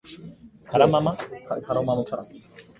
男が林の入り口に消えていったあと、車が走り去る音が聞こえた